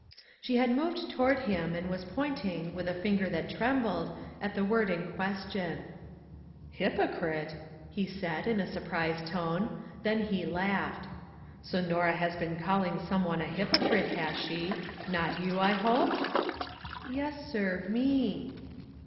She had moved toward him and was point ing, with a finger that trembled, at the word in question. " Hypocrite !" he said in a surprised tone ; then he laughed. " So Norah has been calling some one a hypocrite, has she? Not you, I hope?" " Yes, sir, me."